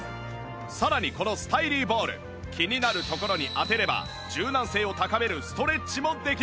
さらにこのスタイリーボール気になる所に当てれば柔軟性を高めるストレッチもできるんです